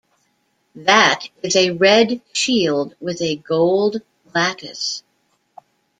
That is a red shield with a gold lattice.